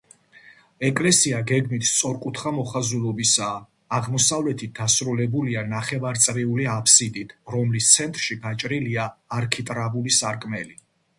ეკლესია გეგმით სწორკუთხა მოხაზულობისაა, აღმოსავლეთით დასრულებულია ნახევარწრიული აბსიდით, რომლის ცენტრში გაჭრილია არქიტრავული სარკმელი.